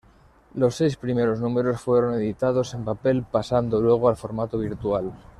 Los seis primeros números fueron editados en papel, pasando luego al formato virtual.